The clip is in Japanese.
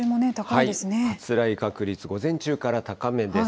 発雷確率、午前中から高めです。